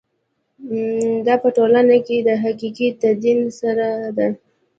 دا په ټولنه کې د حقیقي تدین سره ده.